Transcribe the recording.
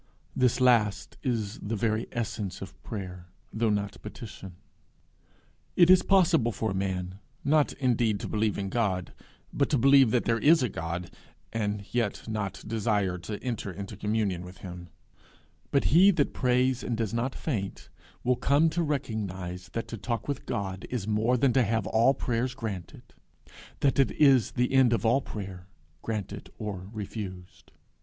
This last is the very essence of prayer, though not petition. It is possible for a man, not indeed to believe in God, but to believe that there is a God, and yet not desire to enter into communion with him; but he that prays and does not faint will come to recognize that to talk with God is more than to have all prayers granted that it is the end of all prayer, granted or refused.